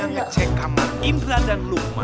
yang ngecek kamar indra dan lukman